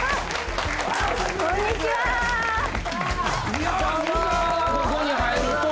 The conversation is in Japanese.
いや野沢がここに入ると。